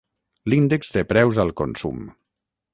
L'índex de preus al consum.